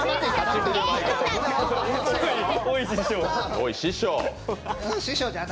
おい、師匠。